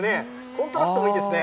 コントラストもいいですね。